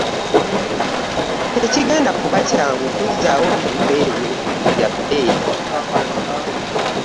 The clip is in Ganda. Tekigenda kuba kyangu kuzzaawo bintu ebyo bya bbeeyi.